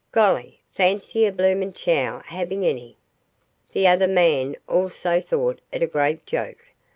Golly! Fancy a bloomin' chow havin' any!" The other man also thought it a great joke.